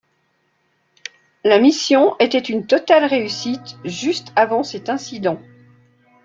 La mission était une totale réussite juste avant cet incident.